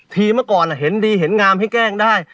เมื่อก่อนเห็นดีเห็นงามให้แกล้งได้